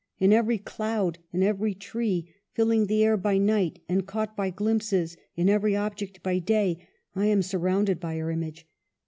In every cloud, in every tree — filling the air by night and caught by glimpses in every object by day — I am surrounded by her image.